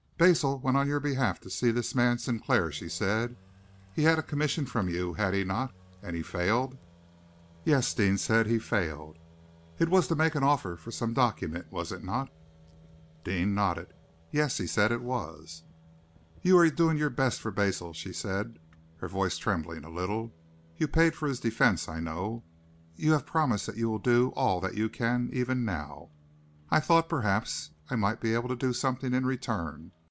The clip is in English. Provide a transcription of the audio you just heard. "Basil went on your behalf to see this man, Sinclair," she said. "He had a commission from you, had he not, and he failed?" "Yes!" Deane said. "He failed!" "It was to make an offer for some document, was it not?" Deane nodded. "Yes!" he said. "It was." "You are doing your best for Basil," she said, her voice trembling a little. "You paid for his defence, I know. You have promised that you will do all that you can, even now. I thought, perhaps, I might be able to do something in return.